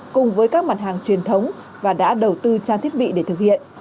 cùng với các mặt hàng truyền thống và đã đầu tư trang thiết bị để thực hiện